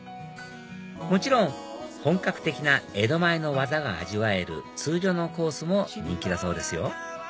もちろん本格的な江戸前の技が味わえる通常のコースも人気だそうですよ